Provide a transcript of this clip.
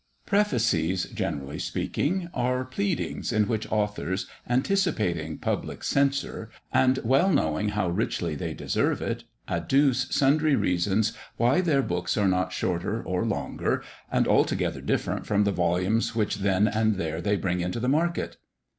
Prefaces, generally speaking, are pleadings, in which authors, anticipating public censure, and well knowing how richly they deserve it, adduce sundry reasons why their books are not shorter or longer, and altogether different from the volumes which then and there they bring into the market.